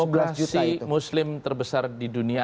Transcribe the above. demokrasi muslim terbesar di dunia